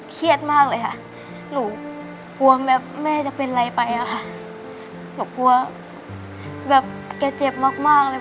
เครียดมากเลยค่ะหนูกลัวแบบแม่จะเป็นอะไรไปอะค่ะหนูกลัวแบบแกเจ็บมากมากเลย